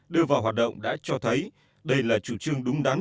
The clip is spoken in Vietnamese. đưa vào hoạt động đã cho thấy đây là chủ trương đúng đắn